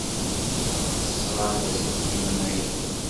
Tesɣa-d aselkim amaynu.